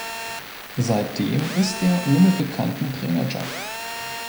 Seitdem ist er ohne bekannten Trainerjob.